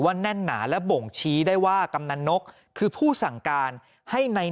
แน่นหนาและบ่งชี้ได้ว่ากำนันนกคือผู้สั่งการให้ใน